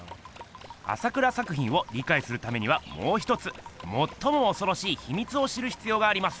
朝倉作品をりかいするためにはもうひとつもっともおそろしいひみつを知るひつようがあります。